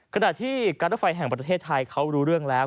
ขณะที่การรถไฟแห่งประเทศไทยเขารู้เรื่องแล้ว